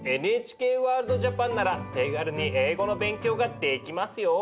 ＮＨＫワールドＪＡＰＡＮなら手軽に英語の勉強ができますよ。